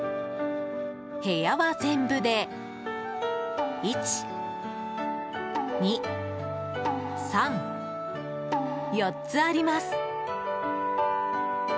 部屋は全部で１、２、３、４つあります。